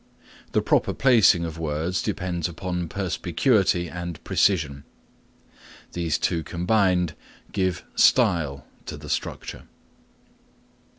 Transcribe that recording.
The proper placing of words depends upon perspicuity and precision. These two combined give style to the structure.